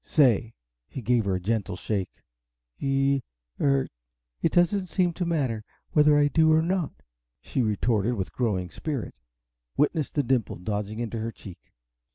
Say!" He gave her a gentle shake. "Ye er it doesn't seem to matter, whether I do or not," she retorted with growing spirit witness the dimple dodging into her cheek.